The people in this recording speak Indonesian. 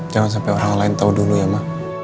jangan sampai orang lain tau dulu ya ma